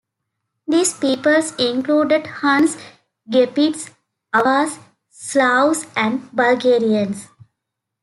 These peoples included Huns, Gepids, Avars, Slavs and Bulgarians.